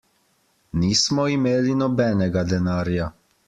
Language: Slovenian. Nismo imeli nobenega denarja.